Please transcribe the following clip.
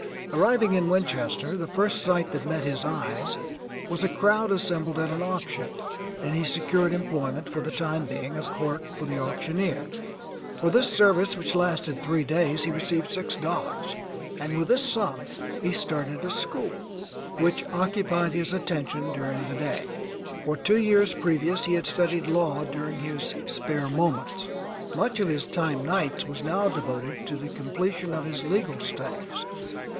Arriving in Winchester the first sight that met his eyes was a crowd assembled at an auction, and he secured employment for the time being as clerk for the auctioneer. For this service, which lasted three days, he received $6, and with this sum he started a school, which occupied his attention during the day. For two years previous he had studied law during his SPARE MOMENTS; much of his time nights was now devoted to the completion of his legal studies.